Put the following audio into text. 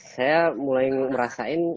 saya mulai merasakan